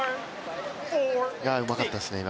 うまかったですね、今。